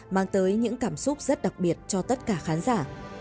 mang tới những cảm xúc rất đặc biệt cho tất cả khán giả